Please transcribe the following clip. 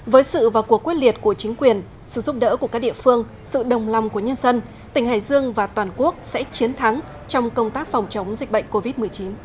với sự và cuộc quyết liệt của chính quyền sự giúp đỡ của các địa phương sự đồng lòng của nhân dân tỉnh hải dương và toàn quốc sẽ chiến thắng trong công tác phòng chống dịch bệnh covid một mươi chín